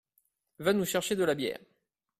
Va nous chercher de la bière.